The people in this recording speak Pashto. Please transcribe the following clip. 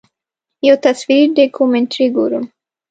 یو تصویري ډاکومنټري ګورم.